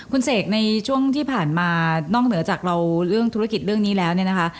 คุณเสกในช่วงที่ผ่านมานอกเหนือจากเราเรื่องธุรกิจเรื่องนี้แล้วเนี่ยนะคะ